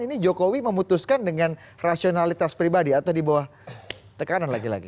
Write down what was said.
ini jokowi memutuskan dengan rasionalitas pribadi atau di bawah tekanan lagi lagi